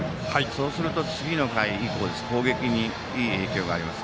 そうすると次の回以降攻撃にいい影響があります。